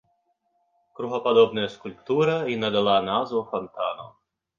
Кругападобная скульптура і надала назву фантану.